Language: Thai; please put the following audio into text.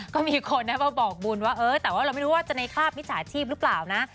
ก็มีคนมาบอกบุญว่าเออแต่ว่าเราไม่รู้ว่าจะในคราบมิจฉาชีพหรือเปล่านะ